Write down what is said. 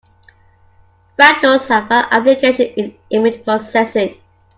Fractals have found applications in image processing.